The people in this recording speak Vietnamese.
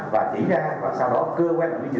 và hôm nay cái việc này khẳng định là